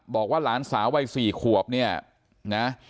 บอกว่าหลานสาววัย๔ขวบเนี่ยนะ